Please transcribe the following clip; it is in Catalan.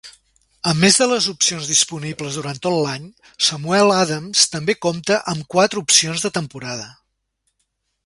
A més de les opcions disponibles durant tot l'any, Samuel Adams també compta amb quatre opcions de temporada.